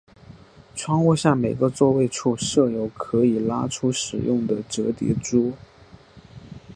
窗户下每个座位处设有可以拉出使用的折叠桌。